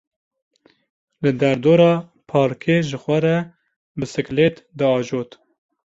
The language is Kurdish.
Li derdora parkê ji xwe re bisiklêt diajot.